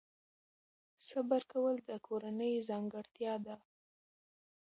صبر کول د کورنۍ ځانګړتیا ده.